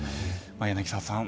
柳澤さん